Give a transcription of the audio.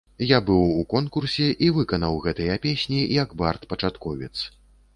Я быў у конкурсе і выканаў гэтыя песні як бард-пачатковец.